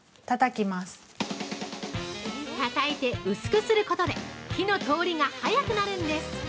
たたいて薄くすることで火の通りが早くなるんです。